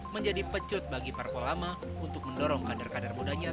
menjadi pecut bagi parpol lama untuk mendorong kader kader mudanya